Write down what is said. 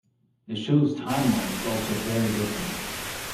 The show's timeline is also very different.